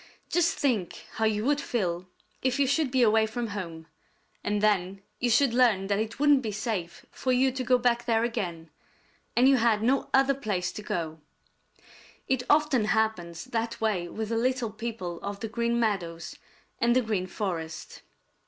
Just think how you would feel if you should be away from home, and then you should learn that it wouldn't be safe for you to go back there again, and you had no other place to go. It often happens that way with the little people of the Green Meadows and the Green Forest.